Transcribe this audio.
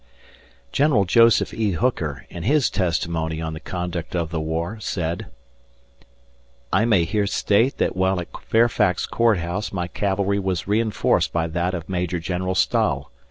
General Joseph E. Hooker, in his testimony on the conduct of the war, said: I may here state that while at Fairfax Court House my cavalry was reinforced by that of Major General Stahel.